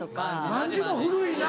「卍」も古いな。